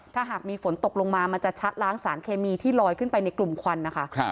ถ้าหากมีฝนตกลงมามันจะชะล้างสารเคมีที่ลอยขึ้นไปในกลุ่มควันนะคะ